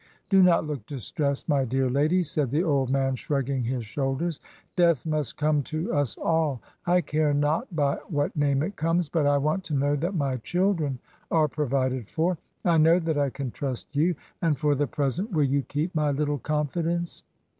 Do not look distressed, my dear lady," said the old man, shrugging his shoulders, "death must come to us all. I care not by what name it comes; but I want to know that my children are provided for. I know that I can trust you, and for the present will you keep my little confidence?"